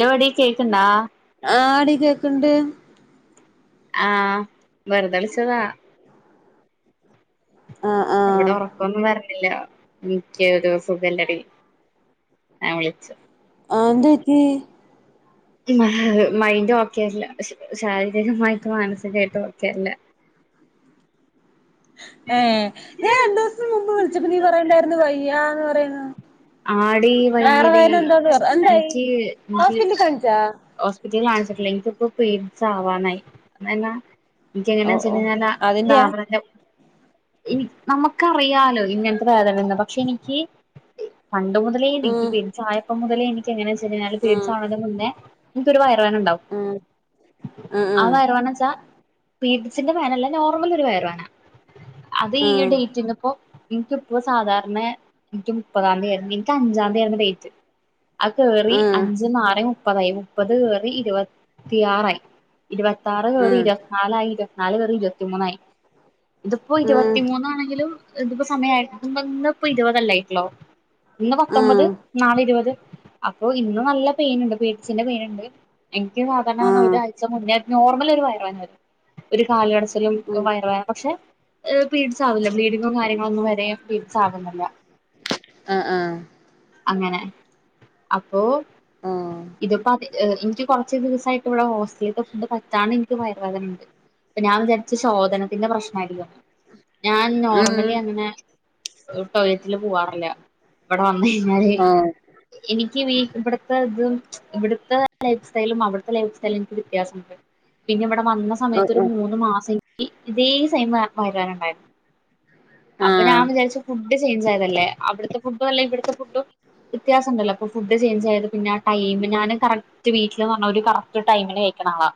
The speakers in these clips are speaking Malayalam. [unintelligible] കേക്ക്ണ്ടാ ആടി കേക്ക്ണ്ട് ആഹ് വെറുതെ വിളിച്ചതാ ആഹ് ആഹ് ഇവിടെ ഒറക്കൊന്നു വര്ണില്ലാ ഇന്ക്ക് ഒരു സുഗല്ലടി ആഹ് വിളിച്ചു ആഹ് എന്ത് പറ്റി [unintelligible] മൈൻഡ് ഒക്കെല്ല ശാരീരികമായിട്ടും മാനസികായിട്ടും ഒക്കെ അല്ല ഏഹ് ഞാൻ രണ്ടൂസം മുമ്പ് വിളിച്ചപ്പം നീ പറയണ്ടായിരുന്നു വയ്യാന്ന് പറയുന്നു ആടി വയറു വയ്യടി വേദന എന്താന്ന് പറയ് എന്തായി ഹോസ്പിറ്റലി കാണിച്ചാ ഹോസ്പിറ്റല് കാണിച്ചിട്ടില്ല ഇന്ക്ക് ഇപ്പം പിരീഡ്സ് ആവാനായി [unintelligible] ഓഹ് [unintelligible] എങ്ങനാ ഓഹ് വെച്ചാ [unintelligible] അതിന്റെയാ ഇതാവണ [unintelligible] നമുക്കറിയാലോ ഇങ്ങനത്തെ വേദനയന്ന് പക്ഷെഇനിക്ക് പണ്ട് മുതലേ എനിക്ക് ഉം പിരീഡ്സായപ്പം മുതലേ എനിക്ക് എങ്ങനെസ് [unintelligible] ഉം പിരീഡ്സാ മുന്നേ ഇന്ക്ക് ഒരു വയറുവേദന ണ്ടാവും ഉം ഉം ആഹ് വയറുവേനച്ചാ പിരീഡിസ്ന്റെ വേതന നല്ല നോർമൽ ഒരു വയറുവേന അത് ഉം ഈ ഉം ഡേറ്റിനിപ്പോ ഇനക്കിപ്പോ സാധാർണ ഇൻക്ക് മുപ്പതാംതി ആരുന്നു ഇന്ക്ക് അഞ്ചാംതി ആരുന്നു ഡേറ്റ് അഹ് കേറി ഉം അഞ്ച് മാറി മുപ്പതായി മുപ്പത് കേറി ഇരുപത്തിയാറായി ഇരുവത്താറ് കേറി ഉം ഇരുവത്ത്നാലായി ഇരുവത്ത്നാല് കേറി ഇരുവത്തിമൂന്നായി ഇതിപ്പോ ഇരുപത്തിമൂന്നാണെങ്കിലും ഇതിപ്പോ ഇന്ന് ഇപ്പോ ഇരുവതല്ലേ ആയിട്ടൊളൂ ഇന്ന് പത്തൊമ്പത് ഉം ഉം നാളെ ഇരുവത് അപ്പൊ ഇന്ന് നല്ല പെയിന്ണ്ട് പിരീഡ്സിൻ്റെ പെയിന്ണ്ട് ഇൻക്ക് ഉം ഒരാഴ്ച മുന്നേ നോർമൽ ഒരു വയറ് വേദന വരും ഒരു കാല് കടച്ചിലും ഉം ഒരു വയറ് വേദന പക്ഷേ എഹ് പിരീഡ്സ് ആവില്ല ബ്ലീഡിങ്ങും കാര്യങ്ങളൊന്നും വരെ പിരീഡ്സ് ആവുന്നില്ല ആഹ് ആഹ് അങ്ങനെ അപ്പോ ഓഹ് ഇതിപ്പോ [unintelligible] ഇൻക്ക് കൊറച്ച് ദിവസാ ഇവിടെ ഹോസ്റ്റലീത്തെ ഫുഡ് പറ്റാണ്ട് ഇൻക്ക് വയറ് വേദനണ്ട് അപ്പൊ ഞാൻ വിചാരിച്ച് ശോധനത്തിന്റെ പ്രശ്നായിരിക്കും ഞാൻ ഉം നോർമലി അങ്ങനെ എഹ് ടോയ്ലറ്റില് പോവാറില്ല ഇവിടെ വന്ന് കഴിഞ്ഞാല് ഓഹ് എനിക്ക് ഇനി ഇബടത്തെഇതും ലൈഫ് ഇവടത്തെ ലൈഫ് സ്റ്റൈലും അവിടുത്തെ ലൈഫ് സ്റ്റൈലും എനിക്ക് വ്യത്യാസണ്ട് പിന്നെ ഇവടെ വന്ന ഓഹ് സമയത്ത് ഒരു ഓഹ് മൂന്ന് മാസം ഇൻക്ക് ഇതേ സൈം വയറുവേനണ്ടായ്രുന്നു അപ്പൊ ഞാൻ ആഹ് വിചാരിച്ചു ഫുഡ് ചേഞ്ച് ആയതല്ലേ അവിടുത്തെ ഫുഡുംഅല്ല ഇവിടത്തെ ഫുഡും വ്യത്യാസംണ്ടല്ലോ അപ്പൊ ഫുഡ് ചേഞ്ച് ആയത് പിന്നെ ആ ടൈം ഞാന് കറക് ന്റെ വീട്ടില്ന്ന് പറഞ്ഞ ഒരു കറക്റ്റ് ടൈമിന് കഴിക്കണാളാ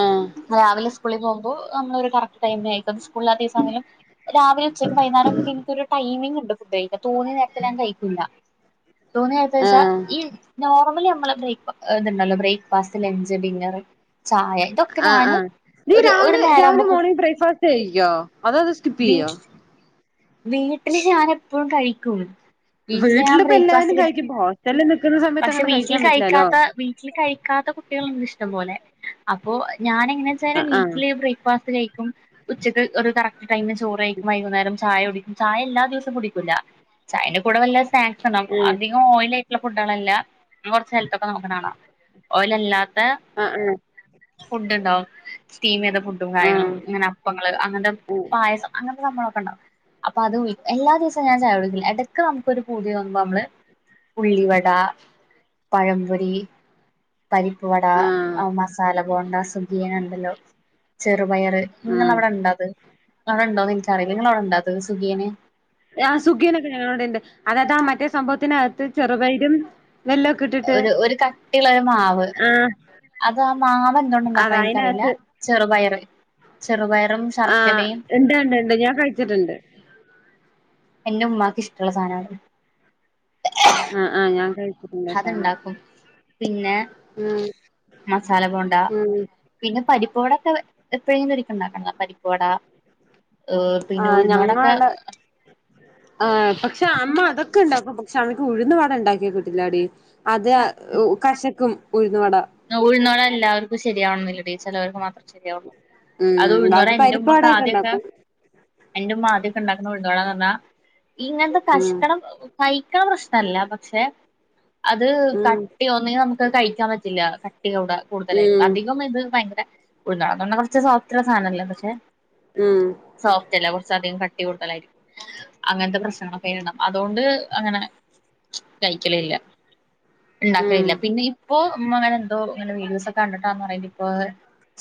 ആഹ് രാവിലെ സ്കൂളിൽ പോകുമ്പോൾ നമ്മള് ഒര് കറ [unintelligible] സ്കൂളില്ലാത്ത സമയം ആണെങ്കിലും രാവിലെ ഉച്ചക്കും വൈന്നരൊക്കെ ഇന്ക്ക് ഒരു ടൈമിംഗ് ഉണ്ട് ഫുഡ് കഴിക്കാൻ തോന്ന്യാ നേരത്ത് ഞാൻ കഴിക്കൂല്ല തോന്ന്യാ നേരത്ത്ന്ന് വെച്ചാ ആഹ് ഈ നോർമലി നമ്മള ബ്രേക്ക് [unintelligible] രാവിലെ ഇത്ണ്ടല്ലോ ബ്രേക്ക്ഫാസ്റ്റ് ലഞ്ച് ഡിന്നർ ചായ ഇതൊക്കെ ആഹ് ഞാന് ആഹ് നീ ഒരു ഒരു രാവിലെ നേരം ആവുമ്പോ രാവിലെ കു മോണിംഗ് ബ്രേക്ക്ഫാസ്റ്റ് കഴിക്കോ അതോ [unintelligible] [unintelligible] വീട്ടില് ഞാൻ എപ്പോഴും കഴിക്കും വീട്ടില് വീട്ടിലിപ്പ എല്ലാവരും ഞാബ്രേക്ക്ഫാസ്റ്റ് കഴിക്കും കി ഇപ്പ ഹോസ്റ്റലിൽ നിൽക്കുന്ന [inaudible] സമയത്ത് പക്ഷെ അങ്ങനെ വീട്ടില് കഴിക്കാൻ പറ്റില്ലല്ലോ ക്കാത്ത ബി വീട്ടില് കഴിക്കാത്ത കുട്ടിയളിണ്ട് ഇഷ്ടം പോലെ. അപ്പോ ഞാൻ എങ്ങനെയാച്ചാല് ആഹ് വീട്ടില് ആഹ് ബ്രേക്ക് ഫാസ്റ്റ് കഴിക്കും ഉച്ചക്ക് ഒരു കറ ടൈമ് ചോറയ്ക്കും വൈകുന്നേരം ചായ കുടിക്കും ചായ എല്ലാ ദിവസും കുടിക്കൂല ചായ കൂടെ വല്ല സാക്സുണ്ടാവും അധികം ധികം ഓയിലായിട്ടുള്ള ഫുഡാളല്ല ഞാ കൊറച്ച് ഹെൽത്തൊക്കെ നോക്ക്‌ണാളാ ഓയിലല്ലാ ആഹ് ഇൺ ഫുഡ് ഇണ്ടാവും സ്റ്റീമെയ്ത ഫുഡും കാര്യങ്ങളും ആഹ് ഇങ്ങനെ അപ്പങ്ങള് അങ്ങനത്തെ പായസം അങ്ങൻത്തെ സംഭളൊക്കെ ഇണ്ടാവും. അപ്പൊ അത് ഇ എല്ലാ ദിവസവും ഞാൻ ചായുടിക്കില്ല എടക്ക് നമക്കൊരു പൂതി തോന്നുമ്പോ അമ്മള് ഉള്ളിവട പഴംമ്പൊരി പരിപ്പ് വട ആഹ് മസാല ബോണ്ട സുഖീയൻ ഇണ്ടല്ലോ ചെറുപയറ് ആഹ് ഇങ്ങളവിടെ ഇണ്ടോ അത്? അവിടെ ഇണ്ടോന്ന് ഇൻക്കറിയില്ല ഇങ്ങളവിടെ ഉണ്ടോ അത് സുഖിയന്? ആഹ് സുഖിയനോക്കെ ഞങ്ങളെ ഇവിടെണ്ട് അതായത് ആ മറ്റേ സംഭവത്തിനകത്ത് ചെറുപയ്രും ഒരു ഒരു കട്ടിയുള്ളോരു മാവ്. ആഹ് അത് ആ മാവ് എന്തോണ്ടാ അത ഇണ്ടാക്കണെ എനിക്കറിയില്ല അതിനകത്ത് ചെറുപയറ് ചെറുപയറും ആഹ് ശർക്കരയും ഇണ്ട് ഇണ്ട് ഇണ്ട് ഞാൻ കഴിച്ചിട്ടുണ്ട്. എന്റെ ഉമ്മാക്ക് ഇഷ്ടുള്ള സാനാ അത്. ആഹ് ആഹ് ഞാ കഴിച്ചിട്ടുണ്ട് ട്ടാ അത്ണ്ടാക്കും അത് പിന്നെ ആം. മസാല ബോണ്ട. പിന്നെ പരിപ്പ് വടയോക്കെ എപ്പോഴെങ്കിലും ഒരിക്ക ഇണ്ടാക്ക്‌ണത പരിപ്പ് വട ഹ് പിന്നെ ആഹ് ഉഴുന്നുവടൊക്കെ ഞങ്ങളവിടെ ആഹ് പക്ഷെ അമ്മ അതൊക്കെ ഇണ്ടാക്കും പക്ഷെ അമ്മക്ക് ഉഴുന്ന് പാട ഉണ്ടാക്കിയ കിട്ടില്ലാടി. അത് ആഹ് കശക്കും ഉഴുന്ന് വട. ഉഴുന്ന് വട എല്ലാവർക്കും ശരിയാവണം എന്നില്ല ഡി ചെലവർക്ക് മാത്രം ശരിയാവോള്ളു. അത് ഉം ഉഴുന്നു വട ബാക്കി പരിപ്പ് എന്റുമ്മക്ക്‌ വടയൊക്കെ ആദ്യൊക്കെ ഉണ്ടാക്കും എന്റുമ്മ അദ്യൊക്കെ ഇണ്ടാക്കുന്ന ഉഴുന്നുവടാന്നർഞ്ഞാ ഇങ്ങനത്തെ ഉം കശ്കടം ഒ ക്കയ്ക്കണ പ്രശ്നല്ല പക്ഷെ അത് ഉം കട്ട്യോ ഒന്നെങ്കി നമുക്കത് കഴിക്കാൻ പറ്റി ത്തില്ല കട്ടികൂട കൂടുതലായിട്ട് ഉം അധികം ഇത് ഭയങ്കര ഉഴുന്ന് വടാന്നർഞാ കോർച്ച് സോഫ്റ്റ് ഉള്ള സാനല്ലേ പക്ഷെ ഉം. സോഫ്റ്റല്ല കൊറച്ച അധികം കട്ടി കൂടുതലായിരിക്കും. അങ്ങൻത്തെ പ്രശ്നങ്ങളൊക്കെ അയിന് ഇണ്ടാവും അതോണ്ട് അങ്ങനെ കഴിക്കലില്ല. ഉം ഇണ്ടാക്കലില്ല പിന്നെ ഇപ്പോ ഇമ്മ അങ്ങനെ എന്തോ ഇങ്ങനെ വീഡിയോസോക്കെ കണ്ടിട്ടാന്നറീല്ല ഇപ്പോ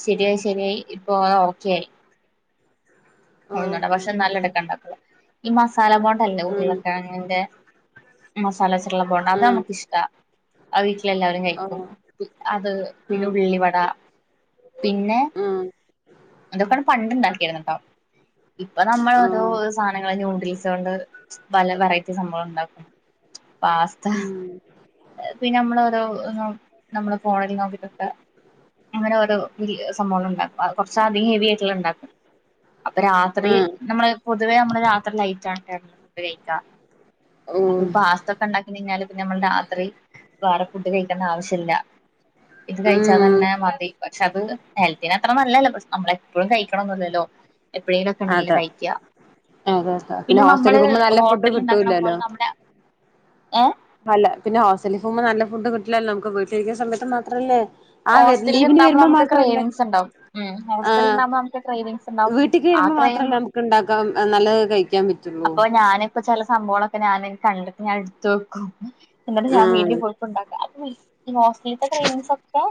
ശരിയായി ശരിയായി ഇപ്പോ ഓക്കെ ആയി. [inaudible] ഉഴുന്ന് വട പക്ഷെ എന്നാലും എടുക്കണ്ട ഈ മസാല ബോണ്ട അല്ലേ ഉം ഉരുളക്കെഴങ്ങിന്റെ മസാല വെച്ചിട്ട്ള്ള ബോണ്ട ഉം അതമ്മക്ക്‌ ഇഷ്ടാ. അത് വീട്ടിലെ എല്ലാവരും കയിക്കും ഓഹ് അത് പിന്നെ ഉം ഉള്ളിവട പിന്നെ ഉം ഇതൊക്കെ ആണ് പണ്ട് ഇണ്ടാക്കിയിരുന്നെട്ടോ. ഇപ്പൊ നമ്മള് ഓരോ ഓഹ് സാനങ്ങള് നൂഡിൽസ് കൊണ്ട് പല വെറൈറ്റി സംഭവങ്ങളും ഉണ്ടാക്കും പാസ്ത ഉം പിന്നെ നമ്മള് ഓരോ ന നമ്മള് ഫോണിൽ നോക്കീട്ടൊക്കെ അങ്ങനെ ഓരോ ഇ സംഭവങ്ങളുണ്ടാക്കും കൊറച്ച് അധികം ഹെവി ആയിട്ടുള്ള ഇണ്ടാക്കും. അപ്പൊ രാത്രി ആഹ് നമ്മള് പൊതുവെ നമ്മള് രാത്രി ലൈറ്റ് ആയിട്ടാണ് ഫുഡ് കഴിക്കാ. അപ്പൊ ഈ ഓഹ് പാസ്തയൊക്കെയുണ്ടാക്കി കഴിഞ്ഞാല് പിന്നെ നമ്മള് രാ ത്രി വേറെ ഫുഡ്ഡ് കഴിക്കണ്ട ആവശ്യല്ല ഇത് കഴിച്ചാ ഉം തന്നെ മതി പക്ഷെ അത് ഹെൽത്തിനത്ര നല്ലതല്ല പക്ഷെ നമ്മള് എപ്പഴും കഴിക്കണൊന്നില്ലല്ലോ എപ്പഴേങ്കിലൊക്കെ അല്ലേ അതെ കഴിക്ക്യാ അതെ അതെ പിന്നെ ഹോസ്റ്റലിൽ നമ്മള് പോകുമ്പോ നല്ല ഫുഡ് ഹോട്ടലിലുണ്ടാക്കണ കിട്ടൂലല്ലോ പോലെ നമ്മുടെ ഏഹ് അല്ല പിന്നെ ഹോസ്റ്റലിൽ പോകുമ്പോ നല്ല ഫുഡ് കിട്ടില്ലല്ലോ നമുക്ക് വീട്ടിലിരിക്കുന്ന സമയത്ത് മാത്രവല്ലേ ഹോസ്റ്റലിൽ ഇണ്ടാകുമ്പൊ നമുക്ക് ക്രെയിവിങ്സ് ഉണ്ടാവും ഹോസ്റ്റലിൽ ഇണ്ടകുമ്പൊ നമുക്ക് ക്രെയിവിങ്സ് ഉണ്ടാവും വീട്ടി ആ വരുമ്പോ ക്രേവി മാത്രമല്ലേ നമുക്ക് ഇണ്ടാക്കാം നല്ലത് കഴിക്കാൻ പറ്റു അപ്പൊ ഞാനിപ്പോ ചെല സംഭവങ്ങളൊക്കെ ഞാന് കണ്ടിട്ട് ഞാന് എടുത്ത് വെക്കും എന്നിട്ട് ഞാൻ ഉം വീട്ടിൽ പോയിട്ടുണ്ടാക്കും ഹോസ്റ്റലിത്തെ ക്രെയിവിങ്ങ്സൊക്കെ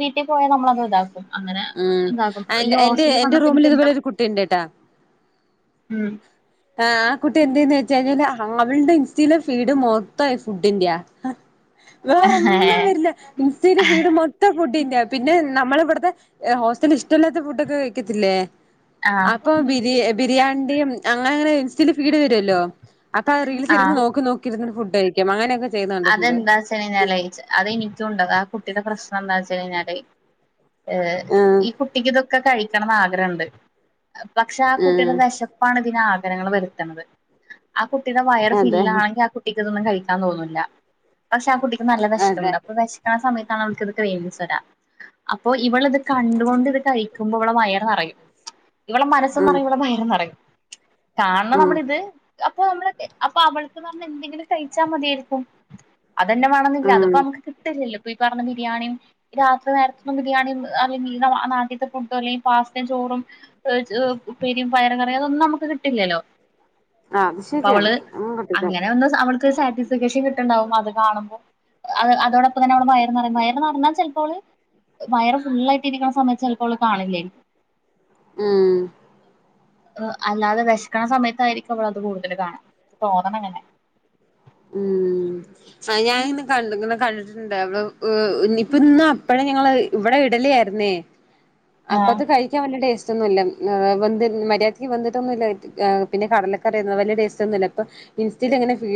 വീട്ടിൽ പോയ നമ്മളത് ഇതാക്കും അങ്ങനെ ഉം ഇതാക്കും ഈ എന്റെ എന്റെ ഹോസ്റ്റലിൽ എന്റെ വന്നപ്പോ എനിക്ക് റൂമിൽ എന്തൊ ഇതുപോലെ ഒരു കുട്ടി ഉണ്ട് ട്ടാ ഉം ആഹ് ആ കുട്ടി എന്ത് ചെയ്യൂന്ന് വെച്ച് കഴിഞ്ഞാല് അവളുടെ ഇൻസ്റ്റയിലെ ഫീഡ് മൊത്തം ഫുഡ്ഡിന്റെയാ വേറൊന്നും വരില്ല ഇൻസ്റ്റയിലെ ഫീഡ് മൊത്തം ഫുഡ്ഡിന്റെയാ പിന്നെ നമ്മള് ഇവിടുത്തെ ഹോസ്റ്റലിൽ ഇഷ്ടവില്ലാത്ത ഫുഡ്ഡൊക്കെ കഴിക്കത്തില്ലേ ആഹ് അപ്പൊ ബിരി ബിരിയാണ്ടിയും അങ്ങനെ അങ്ങനെ ഇൻസ്റ്റശില് ഫീട് വരുല്ലോ അപ്പൊ ആ റീൽസ് ഇരുന്ന് നോക്കി നോക്കി ഇരുന്ന് ഫുഡ്ഡ് കയിക്കും അങ്ങനെയൊക്കെ ചെയ്യുന്നെ കണ്ടിട്ടുണ്ട് [unintelligible] അത് എനിക്കും ഉണ്ട് ആഹ് കുട്ടിയുടെ പ്രശ്നം എന്താന്ന് വെച്ച് കഴിഞ്ഞാല് ഏഹ് ആ ഈ കുട്ടിക്ക് ഇതൊക്കെ കഴിക്കണംന്ന് ആഗ്രഹവുണ്ട് പക്ഷെ ആഹ് കുട്ടിയുടെ ഉം വെശ പ്പാണ് ഇതിന് ആഗ്രഹങ്ങൾ വരുത്തണത് ആഹ് കുട്ടിയുടെ വയറ് അതെ ഫില്ലാണെങ്കിൽ ആഹ് കുട്ടിക്ക് ഇതൊന്നും കഴിക്ക ക്കാൻ തോന്നൂല്ല പക്ഷെ ആഹ് കുട്ടിക്ക് നല്ല അതെ വെശക്കണണ്ട് അപ്പൊ വെശ ക്കണ സമയത്താണ് അവൾക്ക് ക്രേവിങ്ങ്സ് വരുക അപ്പൊ ഇവള് അത് കണ്ടുകൊണ്ട് ഇത് കഴി ക്കുമ്പോൾ ഇവടെ വയറ് നെറയും ഇവളെ മനസ്സും ഉം നെറയും ഇവളടെ വയറും നെറയും കാരണം ഉം നമ്മള് ഇത് അപ്പൊ നമ്മള് അപ്പൊ അവൾക്കന്ന് പറഞ്ഞാ എന്തെങ്കിലും കഴിച്ചാ മതിയായിരിക്കും അതന്നെ വെണോന്നില്ല ഉം അതിപ്പൊ നമുക്ക് കിട്ടില്ലലോ ഇപ്പൊ ഈ പറഞ്ഞ ബിരിയാണിയും രാത്രി നേരത്തൊന്നും ബിരിയാണിയും അല്ലേ മീനോ നാട്ടിത്തെ ഫുഡ്ഡോ അല്ലെ പാസ്തയും ചോറും പൊരിച്ചതും ഉപ്പേരിയും പയറ് കറിയും ഇതൊന്നും നമുക്ക് കിട്ടില്ലല്ലോ ആ അത് അപ്പൊ ശരിയാണ് അവള് അങ്ങനെ ഒന്ന് സ അവള് സാറ്റിസ്ഫാക്ഷൻ കിട്ടുന്നുണ്ടാവും അത് കാണുമ്പോ അത് അതോടൊപ്പം തന്നെ അവളെ വയ വയറ് നിറഞ്ഞാൽ ചിലപ്പോ അവള് വയറ് ഫുള്ളായിട്ടിരിക്കുന്ന സമയത്ത് ചിലപ്പോ അവള് കാണില്ലായിരിക്കും ഉം അല്ലാതെ വിശക്കണ സമയത്തായിരിക്കും അവളത് കൂടുതല് കാണുക തോന്നണങ്ങനെ കണ്ട്ക്കണ് കണ്ടിട്ടുണ്ട് അവള് ഏഹ് ഇനീപ്പൊ ഇന്ന് അപ്പഴേ ഞങ്ങള് ഇവിടെ ഇഡ്ഡലി ആയിരുന്നേ അപ്പൊ ആ അത് കഴി ക്കാൻ വല്ല ടേസ്റ്റ് ഒന്നുമില്ല ഏഹ് വെന്ത് മര്യാദക്ക് വെന്തിട്ടൊന്നൂലേ ഏഹ് പിന്നെ കടലക്കറിയുന്നത് വല്ലിയ ടേസ്റ്റ് ഒന്നുമില്ല ഇപ്പൊ ഇൻസ്റ്റയിൽ ഇങ്ങനെ ഫി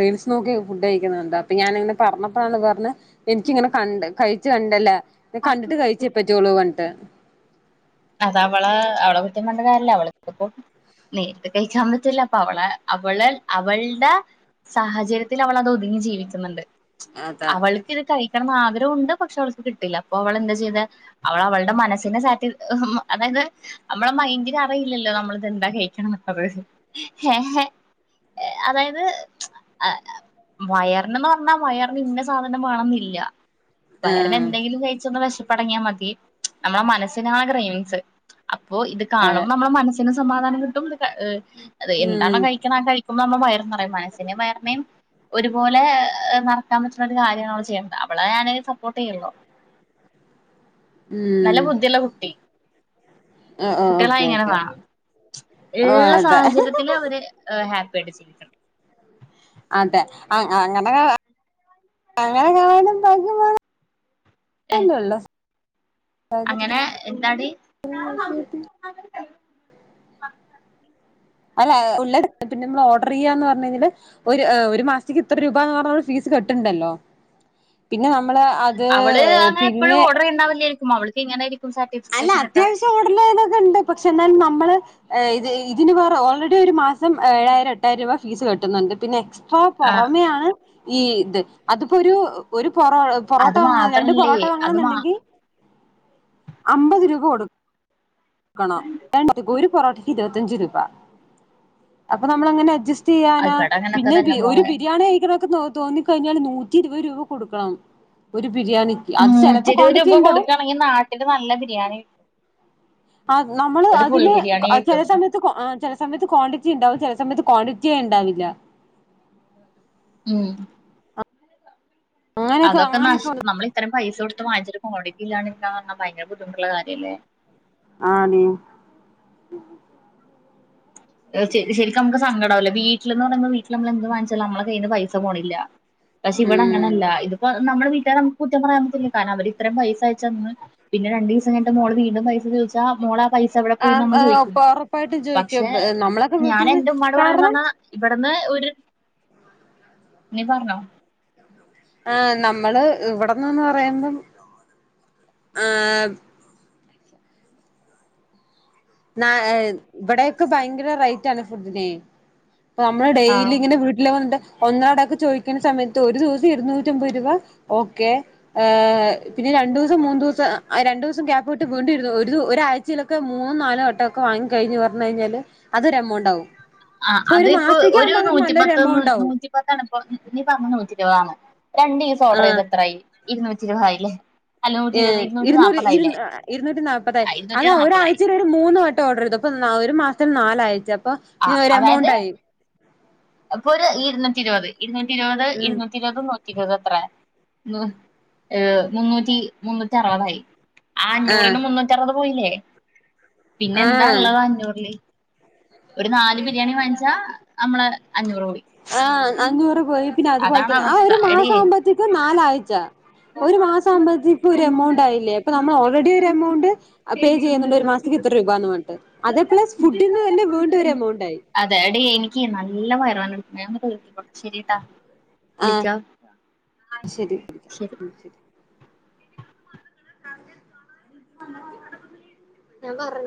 റീൽസ് നോക്കി ഫുഡ്ഡ് കഴിക്കുന്നെ കണ്ടു അപ്പൊ ഞാനിങ്ങനെ പറഞ്ഞപ്പോഴാണ് പറഞ്ഞെ എനിക്കിങ്ങനെ കണ്ട് കഴിച്ച് കണ്ടല്ല കണ്ടിട്ട് കഴിച്ചേപ്പറ്റോളോ പറഞ്ഞിട്ട് അതവളെ അവളെ കുറ്റം പറഞ്ഞിട്ട് കാര്യോല അവൾക്കിപ്പോ നേരിട്ട് കഴിക്കാൻ പറ്റുല്ല അപ്പൊ അവളെ അവള് അവൾടെ സാഹചര്യത്തിൽ അവൾ അത് ഒതുങ്ങി ജീവിക്കുന്നുണ്ട് അതാ അവൾ ഇത് കഴിക്കണംന്ന് ആഗ്രഹവുണ്ട് പക്ഷെ അവൾക്ക് കിട്ടില്ല അപ്പൊ അവൾ എന്താ ചെയ്തേ അവൾ അവളുടെ മനസ്സിനെ സാറ്റി അതായത് നമ്മളെ മൈന്റിന് അറിയില്ലല്ലോ നമ്മളിത് എന്താ കഴിക്കണെന്നുള്ളത് ഏഹ് എ അതായത് മ്മച് [unintelligible] ആ വയറിനന്ന് പറഞ്ഞാ വയറിന് ഇന്ന സാധനം വേണംന്നില്ല വയറിന് ആഹ് എന്തെങ്കിലും കഴിച്ചൊന്ന് വെശപ്പടങ്ങിയാ മതി നമ്മളെ മനസ്സിനാണ് കെറെൻസ് അപ്പോ ഇത് അതെ കാണുമ്പോ നമ്മളെ മനസ്സിന് സമാധാനം കിട്ടും ഏ എന്താണോ ഉം കഴിക്കുന്നത് ആ കഴി ഇപോ നമ്മ വയറും നെറയും മനസ്സിനേം വയറിനേം - ഒരുപോലെ നറക്കാൻ പറ്റുന്ന ഒരു കാര്യണ് അവള് ചെയ്യേണത് അവളെ ഞാൻ സപ്പോർട്ട് ചെയ്യുള്ളൂ നല്ല ഉം ബുദ്ധിയുള്ള കുട്ടി ഓ ഓ കുട്ടികളായി ഓക്കെ ഇങ്ങനെ ഓക്കെ വേണം ഓ ഇള്ള അതാ സാഹചര്യത്തില് അവര്- ഏ ഹാപ്പിയിട്ട് ചിരിക്കണം അതെ അങ്ങനെ അങ്ങനെ കാണാനും ഭാഗ്യം വേണം ഏഹ് തന്നെള്ളൂ അങ്ങനെ എന്താടി അല്ല ഉള്ള എടക്ക് പിന്നെ ഓർഡർ ചെയ്യാ എന്ന് പറഞ് എങ്കില് ഒരു മാസത്തേക്ക് ഇത്ര രൂപ എന്ന് പറഞ്ഞ നമ്മള് ഫീസ്- ഫീസ് കെട്ട്ണ്ടല്ലോ പിന്നെ നമ്മള് അത് പിന്നെ- ഉണ്ടാവില്ലായിരിക്കും അവൾക്കിങ്ങാനായിരിക്കും സാ- അല്ല അത്യാവശ്യം ഓടുന്നെനോക്കെ ഒണ്ട് പക്ഷെ എന്നാലും നമ്മള് ഇതിന് വേറെ ഓൾറെഡി- ഒരേ ഒരു മാസം ഏഴായിരം എട്ടായിരം രൂപ ഫീസ് കിട്ടുന്നുണ്ട് പിന്നെ എക്സ്ട്രാ പൊറമെയാണ്- ഈ ആഹ് ഇത് അതിപ്പോ ഒരു ഒരു പൊറോ പൊറോട്ട അത് വാങ്ങണം രണ്ട് മാത്രല്ലേ പൊറോട്ട വാങ്ങണം അത് മാ എന്നുണ്ടെങ്കിൽ- അമ്പത് രൂപ കൊടുക്ക- ക്കണം രണ്ട ഒരു പൊറോട്ടക്ക് ഇരുപത്ത്ഞ്ച് രൂപ അപ്പൊ നമ്മള് എങ്ങനെ അഡ്ജസ്റ്റ് ചെയ്യാനാ ഇവിടെ അങ്ങനൊക്കെ പിന്നെ തന്നെ ഒരു മോളെ ബിരിയാണി കഴിക്കണൊൽക്ക് തൊ - തോന്നിക്കഴിഞ്ഞാല് നൂറ്റി ഇരുപത് രൂപ കൊടുക്കണം ഒരു ബിരിയാണി നൂറ്റി ഇരുപത് രൂപ കൊടുക്കയാണെങ്കിൽ നാട്ടില് നല്ല ബിരിയാണി കിട്ടും ആ നമ്മള് ഒരു ഫുൾ അതിന് ബിരിയാണി ചെല കിട്ടും സമയത്ത്- ചെല സമയത്ത് ക്വാണ്ടിറ്റി ഇണ്ടാവും ചെല സമയത്ത് ക്വാണ്ടിറ്റിയേ ഇണ്ടാവില്ല ഉം അങ്ങനെയൊക്കെ അതൊക്കെ നഷ് അങ്ങനെയൊക്കെ നമ്മള് ഇത്രേം പൈസ കൊടുത്ത് വാങ്ങിചിട്ട് കോണ്ടിറ്റി ഇല്ലാതിരുന്നാ ഭയങ്കര ബുദ്ധിമുട്ടുള്ള കാര്യയല്ലേ ആന് [unintelligible] ശരിക്കും നമുക്ക് സങ്കടാവുലെ വീട്ടിൽന്ന് പറയുമ്പ വീട്ടില് നമ്മള് എന്ത് വാങ്ങിച്ചാലും നമ്മളെ കയ്യിന്ന് പൈസ പോണില്ല പക്ഷെ ഇവിടെ ഉം അങ്ങനെയല്ല, ഇതിപ്പോ നമ്മുടെ വീട്ടാരെ നമ്മക്കും കുറ്റം പറയാൻ പാടില്ല കാരണം അവര് ഇത്രയും പൈസ അയച്ച് തന്ന് പിന്നെ രണ്ടു ദിവസം കഴിഞ്ഞിട്ട് മോള് വീണ്ടും പൈസ ചോദിച്ചാ മോളെ ആ പൈസ എവിടെ പോയിന്ന് നമ്മള് ചോദിക്കും ഉറപ്പായിട്ടും പക്ഷെ ചോയ്ക്കും എ - ഞാൻ എന്റെ ഉമ്മാട് പറയും എന്നന്നാ ഇവിടുന്ന് ഒരു നീ പറഞ്ഞോ- ആഹ് നമ്മള് ഇവിടന്ന്ന്ന് പറയുമ്പം ആഹ് - ഇവിടെയൊക്കെ ഭയങ്കര റേറ്റ് ആണ് ഫുഡിനെ നമ്മള് ഡെയിലി ഇങ്ങനെ വി- ല്ലോണ്ട് ഒന്നരാടക്കെ ചോദിക്കുന്ന സമയത്ത് ഒരു ദിവസം ഇരുന്നൂറ്റി അമ്പത് രൂപ ഓക്കെ ആഹ് പിന്നെ രണ്ടു ദിവസം മൂന്നുദിവസം ആ രണ്ട് ദിവസം ഗ്യാപ്പ്ട്ട് വീണ്ടും ഇരുന്നു ഒരു ഒരാഴ്ചയിലൊക്കെ മൂന്ന്- മൂന്ന് നാല് വട്ടൊക്കെ വാങ്ങി കഴിഞ് പറഞ് കഴിഞ്ഞാല്- അതൊരു എമൗണ്ടാവും, ആ ഇപ്പൊ ഒരു അത് മാസത്തേക്ക് ആകുമ്പോ അത് നല്ലൊരു എമൗണ്ടാവും ഇപ്പതന്നപ്പോ നീ പറഞ്ഞെ നൂറ്റിരുപത് ആണോ രണ്ടു ദിവസം ആ ഓർഡർ ചെയ്ത എത്രായി ഇരുന്നൂറ്റി ഇരുപത് ആയിലെ അപ്പൊ - അല്ല നൂറ്റി ഉം ഇരുന്നൂറ് ഇരു ഇരുന്നൂറ്റി നാല്പതായി ആ ഇരുന്നൂറ്റി അതാ നാല്പതായി ഒരാഴ്ച- മൂന്നുവെട്ടം ഓർഡർ ചെയ്തു അപ്പൊ ഒരു മാസം നാലാഴ്‌ച്ച അപ്പൊ ഒരു എമൗണ്ട് ആയി അപ്പൊ ഒരു ഇരുന്നൂറ്റി ഇരുപത് ഇരുന്നൂറ്റി ഇരുപത് ഉം ഇരുന്നൂറ്റി- ഇരുവതും നൂറ്റിരുപതും എത്ര നൂഏഹ് മുന്നൂറ്റി മുന്നൂറ്റി അറുപതായി. ആ ആഹ് അഞ്ഞൂറിന്ന് മുന്നൂറ്ററുത് പോയില്ലേ പിന്നെ എന്താ ആഹ് ഒള്ളത് അഞ്ഞൂറില്? ഒരു നാല് ബിരിയാണി വാങ്ങിച്ചാ നമ്മളെ അഞ്ഞൂറ് പോയി. ആഹ് അഞ്ഞൂറ് പോയി പിന്നെ അതുപോലെ അതാണ് തന്നെ ആ അവസ്ഥ ഒരു മാസം എടിയേ ആവുമ്പോത്തേക്കും നാലാഴ്ച്ച. ഒരു മാസം ആവുമ്പോഴത്തേക്കും ഒരു എമൗണ്ട് ആയില്ലേ ഇപ്പൊ നമ്മള് ഓൾറെഡി ഒരു എമൗണ്ട്. പേ ചെയ്യുന്നുണ്ട് ഒരു മാസക്ക് ഇത്ര രൂപാന്ന് പറഞ്ഞിട്ട് അതേ പ്ലസ് ഫുഡിന്ന് തന്നെ വീണ്ടും ഒരു എമൗണ്ട് ആയി. അതെ ടി എനിക്ക് നല്ല വയറുവേദന എടുക്കണ്ട് ഞാനൊന്ന് കുളിക്കട്ടെ ശരിട്ടാ. ആഹ് വിളിക്കാം ശരി ശരി. [unintelligible] ഞാൻ പറഞ്.